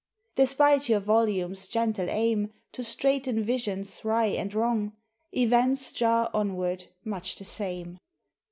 Despite your volumes' gentle aim To straighten visions wry and wrong, Events jar onward much the same!